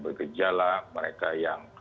bergejala mereka yang